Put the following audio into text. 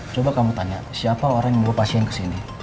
coba kamu tanya siapa orang yang bawa pasien kesini